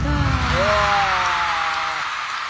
うわ。